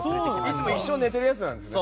いつも一緒に寝てるやつなんですね？